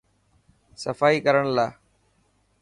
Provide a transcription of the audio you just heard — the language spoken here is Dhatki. صفائي ڪرڻ لاءِ.